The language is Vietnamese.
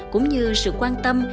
cũng như sự quan tâm